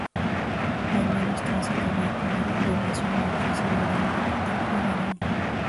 Hay menos tránsito vehicular en relación a otras zonas de la Capital Federal.